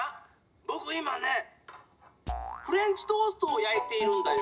ぼく今ねフレンチトーストをやいているんだよ。